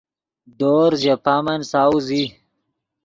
دورز ژے پامن ساؤز ای